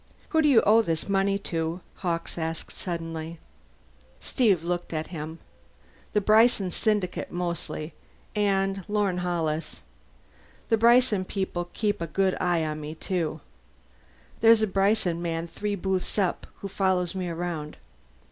"Who do you owe this money to?" Hawkes asked suddenly. Steve looked at him. "The Bryson syndicate, mostly. And Lorne Hollis. The Bryson people keep a good eye on me, too. There's a Bryson man three booths up who follows me around.